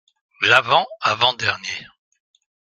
L’avant-avant-dernier.